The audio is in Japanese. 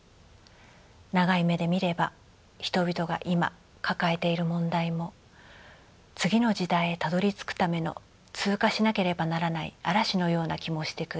「長い目で見れば人々が今抱えている問題も次の時代へたどりつくための通過しなければならない嵐のような気もしてくる。